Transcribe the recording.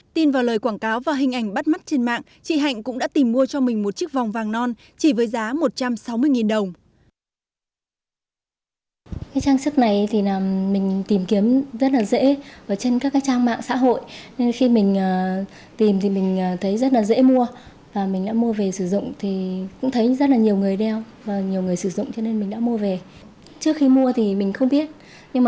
tin vào lời quảng cáo và hình ảnh bắt mắt trên mạng chị hạnh cũng đã tìm mua cho mình một chiếc vòng vàng non chỉ với giá một trăm sáu mươi đồng